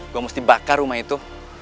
gue mesti bakar rumah itu